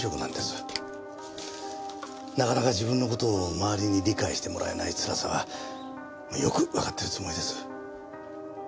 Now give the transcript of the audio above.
なかなか自分の事を周りに理解してもらえないつらさはよくわかってるつもりです。